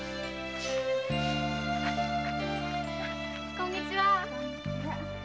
こんにちは。